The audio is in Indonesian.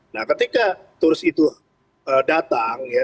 nah ketika turis itu datang ya